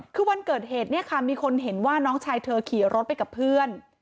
คือวันเกิดเหตุเนี่ยค่ะมีคนเห็นว่าน้องชายเธอขี่รถไปกับเพื่อน